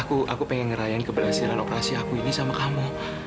aku aku pengen ngerayain keberhasilan operasi aku ini sama kamu